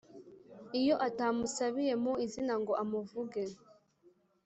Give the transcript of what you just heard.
Iyo atamusubiye mu izina ngo amuvuge